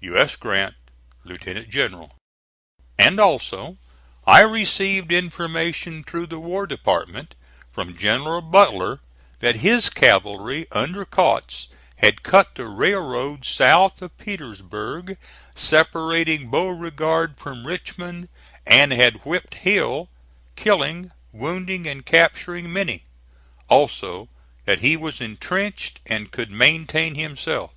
U. S. GRANT, Lieut. General. And also, I received information, through the War Department, from General Butler that his cavalry under Kautz had cut the railroad south of Petersburg, separating Beauregard from Richmond, and had whipped Hill, killing, wounding and capturing many. Also that he was intrenched, and could maintain himself.